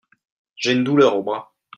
J'ai une douleur au bras.